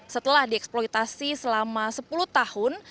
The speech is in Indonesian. setelah dieksploitasi selama sepuluh tahun